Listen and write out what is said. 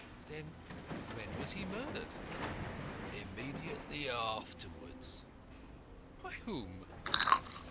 "Then, when was he murdered?" "Immediately afterwards." "By whom?"